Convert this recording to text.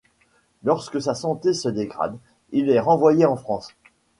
Lorsque sa santé se dégrade, il est renvoyé en France.